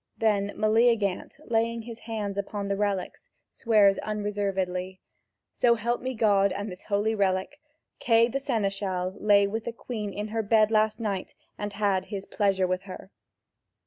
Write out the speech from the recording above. Then Meleagant, laying his hands upon the relics, swears unreservedly: "So help me God and this holy relic, Kay the seneschal lay with the Queen in her bed last night and, had his pleasure with her."